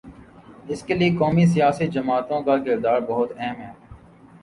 اس کے لیے قومی سیاسی جماعتوں کا کردار بہت اہم ہے۔